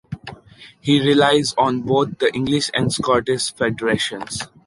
He relies on both the English and Scottish federations.